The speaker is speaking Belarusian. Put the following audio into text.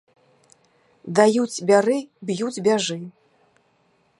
Даюць, бяры, б'юць, бяжы!